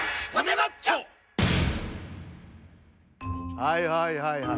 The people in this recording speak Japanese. はいはいはいはい。